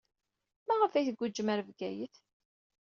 Maɣef ay tguǧǧem ɣer Bgayet?